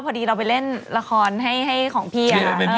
พอดีเราไปเล่นราคอลให้ของพี่อะค่ะ